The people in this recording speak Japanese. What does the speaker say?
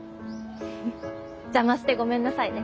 邪魔してごめんなさいね。